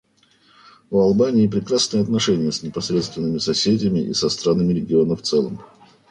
У Албании прекрасные отношения с непосредственными соседями и со странами региона в целом.